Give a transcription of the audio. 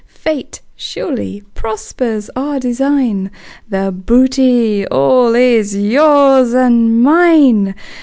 Fate surely prospers our design The booty all is yours and mine."